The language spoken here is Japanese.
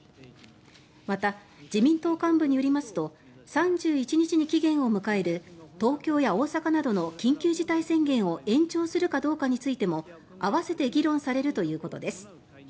また、自民党幹部によりますと３１日に期限を迎える東京や大阪などの緊急事態宣言を延長するかどうかについても合わせて議論されるということです。